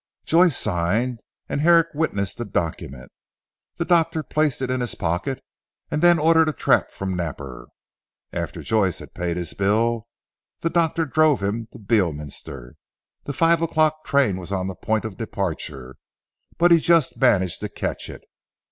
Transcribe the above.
So Joyce signed and Herrick witnessed the document. The doctor placed it in his pocket and then ordered a trap from Napper. After Joyce had paid his bill, the doctor drove him to Beorminster. The five o'clock train was on the point of departure, but he just managed to catch it.